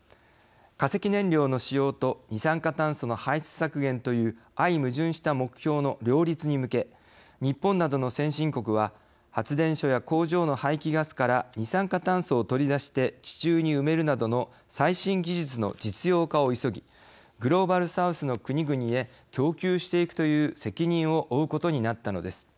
化石燃料の使用と二酸化炭素の排出削減という相矛盾した目標の両立に向け日本などの先進国は発電所や工場の排気ガスから二酸化炭素を取り出して地中に埋めるなどの最新技術の実用化を急ぎグローバル・サウスの国々へ供給していくという責任を負うことになったのです。